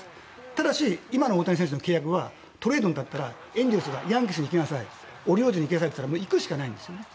ただし、今の大谷選手の契約はトレードになったらエンゼルスがヤンキースに行きなさいオリオールズに行きなさいと言ったら行くしかないんです。